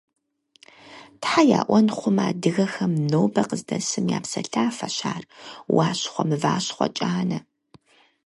Тхьэ яӀуэн хъумэ, адыгэхэм нобэр къыздэсым я псалъафэщ ар – «Уащхъуэ мыващхъуэ кӀанэ!».